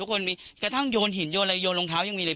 กระทั่งโยนหินโยนรองเท้ายังมี